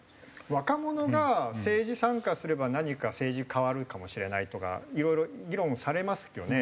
若者が政治参加すれば何か政治変わるかもしれないとかいろいろ議論されますよね。